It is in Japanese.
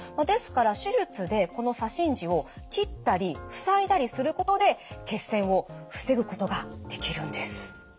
ですから手術でこの左心耳を切ったり塞いだりすることで血栓を防ぐことができるんです。